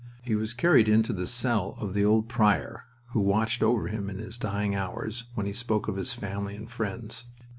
He was carried into the cell of the old prior, who watched over him in his dying hours when he spoke of his family and friends.